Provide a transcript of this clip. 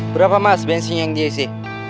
berapa mas bensinnya yang dia isi